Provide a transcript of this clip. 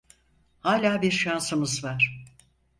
Hala bir şansımız var.